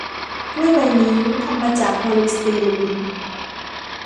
ถ้วยใบนี้ทำมาจากโพลีสตีรีน